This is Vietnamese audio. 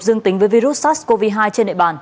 dương tính với virus sars cov hai trên địa bàn